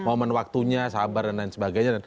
momen waktunya sabar dan lain sebagainya